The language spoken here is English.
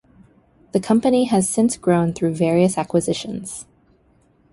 The company has since grown through various acquisitions.